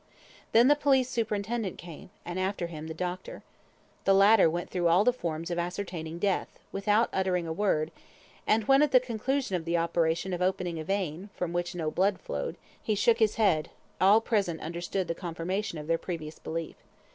Then the police superintendent came, and after him the doctor. The latter went through all the forms of ascertaining death, without uttering a word, and when at the conclusion of the operation of opening a vein, from which no blood flowed, he shook his head, all present understood the confirmation of their previous belief.